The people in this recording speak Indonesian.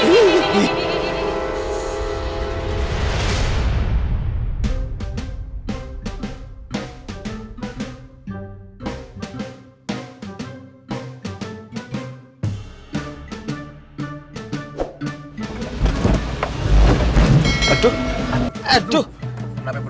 ih suara apa ya